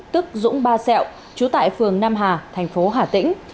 tức dũng ba xẹo trú tại phường nam hà thành phố hà tĩnh